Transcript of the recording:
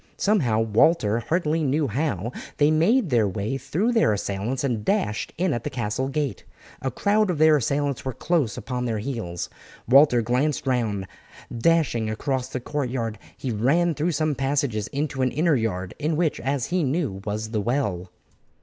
Somehow, Walter hardly knew how, they made their way through their assailants and dashed in at the castle gate. A crowd of their assailants were close upon their heels. Walter glanced round; dashing across the courtyard he ran through some passages into an inner yard, in which, as he knew, was the well.